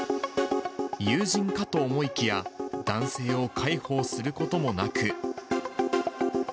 友人かと思いきや、男性を介抱することもなく。